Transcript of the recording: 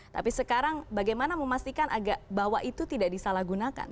tapi sekarang bagaimana memastikan bahwa itu tidak disalahgunakan